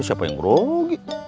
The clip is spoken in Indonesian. siapa yang grogi